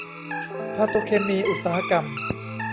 พาโตเคมีอุตสาหกรรม